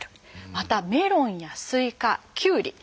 またメロンやスイカキュウリ